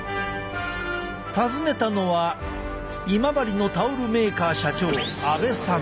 訪ねたのは今治のタオルメーカー社長阿部さん。